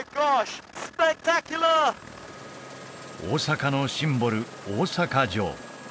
大阪のシンボル大阪城